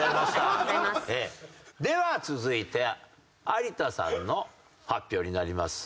では続いて有田さんの発表になります。